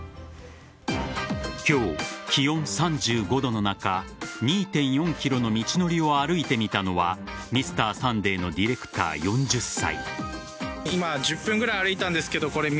今日、気温３５度の中２．４ｋｍの道のりを歩いてみたのは「Ｍｒ．サンデー」のディレクター、４０歳。